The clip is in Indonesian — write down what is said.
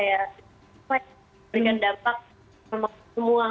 yang dapat memaksa semua